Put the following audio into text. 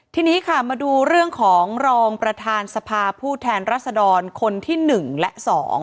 ทีนี้ค่ะมาดูเรื่องของรองประธานสภาผู้แทนรัศดรคนที่๑และ๒